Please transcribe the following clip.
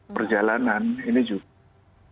perjalanan ini juga